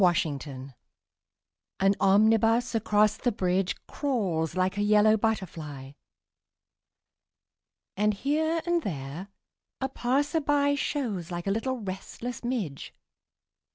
SYMPHONY IN YELLOW AN omnibus across the bridge Crawls like a yellow butterfly And, here and there, a passer by Shows like a little restless midge.